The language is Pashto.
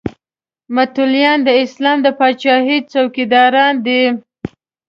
متولیان د اسلام د پاچاهۍ څوکیداران دي.